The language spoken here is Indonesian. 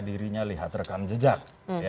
dirinya lihat rekam jejak